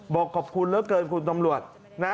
บอกขอบคุณเหลือเกินคุณตำรวจนะ